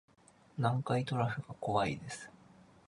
南海トラフが怖いです